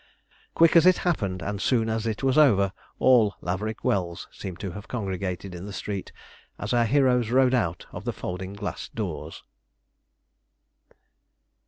Quick as it happened, and soon as it was over, all Laverick Wells seemed to have congregated in the street as our heroes rode out of the folding glass doors.